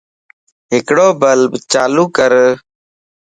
ھڪڙو بلب چالو ڪر